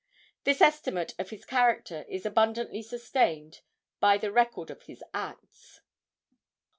This estimate of his character is abundantly sustained by the record of his acts.